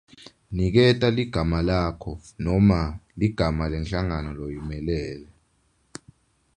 Niketa ligama lakho noma ligama lenhlangano loyimelele.